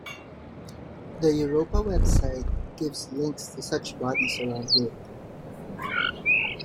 The Europa website gives links to such bodies around Europe.